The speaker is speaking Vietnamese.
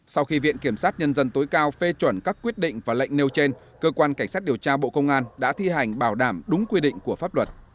sau khi viện kiểm sát nhân dân tối cao phê chuẩn các quyết định và lệnh nêu trên cơ quan cảnh sát điều tra bộ công an đã thi hành bảo đảm đúng quy định của pháp luật